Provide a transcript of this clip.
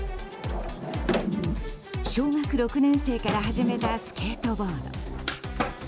小学６年生から始めたスケートボード。